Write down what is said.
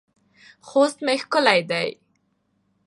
خوست مې ښکلی دی